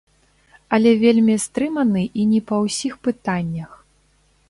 Але вельмі стрыманы і не па ўсіх пытаннях.